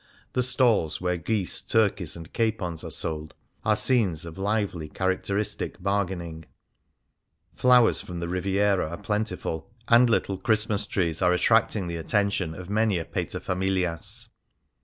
The stalls where geese, turkeys, and capons are sold are scenes of lively, characteristic bargaining. Flowers from the Riviera are plentiful, and little 114 Fasts and Festivals Christmas trees are attracting the attention of many a paterfamilias.